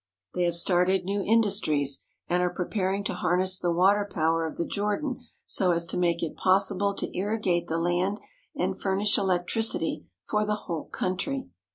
They have started new industries, and are pre paring to harness the water power of the Jordan so as to make it possible to irrigate the land and furnish elec tricity for the whole country."